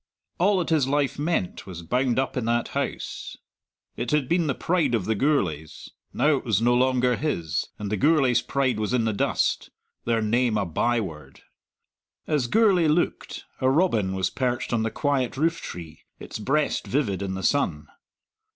All that his life meant was bound up in that house it had been the pride of the Gourlays; now it was no longer his, and the Gourlays' pride was in the dust their name a by word. As Gourlay looked, a robin was perched on the quiet roof tree, its breast vivid in the sun.